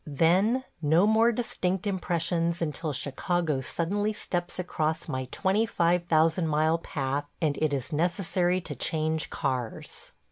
... Then no more distinct impressions until Chicago suddenly steps across my twenty five thousand mile path and it is necessary to change cars.